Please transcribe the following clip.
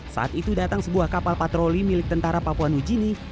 saat itu datang sebuah kapal patroli milik tentara papua new guinea